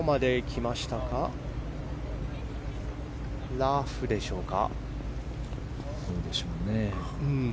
ラフでしょうか。